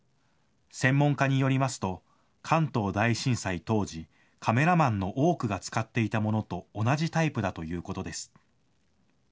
専門家によりますと、関東大震災当時、カメラマンの多くが使っていたものと同じタイプだということです。